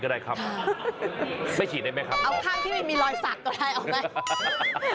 ได้ครับไม่ฉีดได้ไหมครับเอาข้างที่ไม่มีรอยสักก็ได้เอาไหม